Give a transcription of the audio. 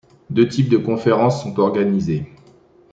Deux types de conférences sont organisées.